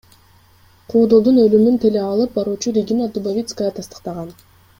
Куудулдун өлүмүн теле алып баруучу Регина Дубовицкая тастыктаган.